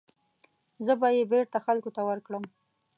زه به یې بېرته خلکو ته ورکړم.